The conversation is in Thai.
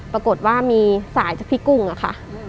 ปรากฏว่ามีสายจากพี่กุ้งอะค่ะ